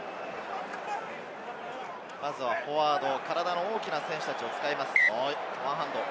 まずはフォワード、体の大きな選手たちを使います。